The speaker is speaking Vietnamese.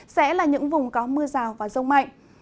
sẽ là những vùng có mưa rào và rông mạnh